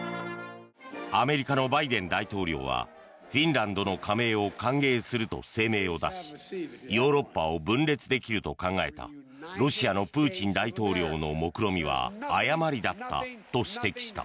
アメリカのバイデン大統領はフィンランドの加盟を歓迎すると声明を出しヨーロッパを分裂できると考えたロシアのプーチン大統領のもくろみは誤りだったと指摘した。